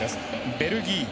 ベルギー